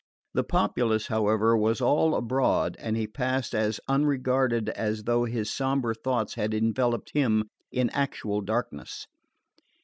The populace, however, was all abroad, and he passed as unregarded as though his sombre thoughts had enveloped him in actual darkness.